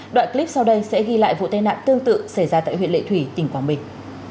đoạn clip sau đây sẽ ghi lại vụ tai nạn tương tự xảy ra tại huyện lệ thủy tỉnh quảng bình